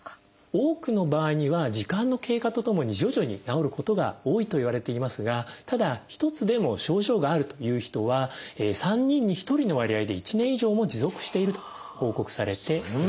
多くの場合には時間の経過とともに徐々に治ることが多いといわれていますがただ１つでも症状があるという人は３人に１人の割合で１年以上も持続していると報告されています。